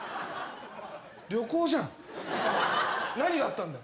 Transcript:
旅行じゃん何があったんだよ